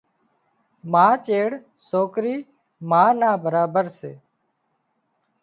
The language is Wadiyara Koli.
ما چيڙ سوڪرِي ما نا برابر سي